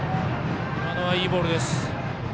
今のはいいボールです。